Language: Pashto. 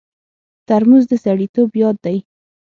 ترموز د سړیتوب یاد دی.